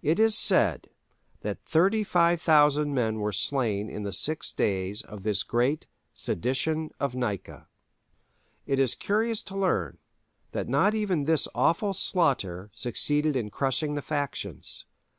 It is said that 35,000 men were slain in the six days of this great "Sedition of Nika." It is curious to learn that not even this awful slaughter succeeded in crushing the factions.